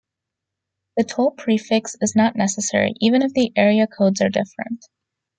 The toll prefix is not necessary, even if the area codes are different.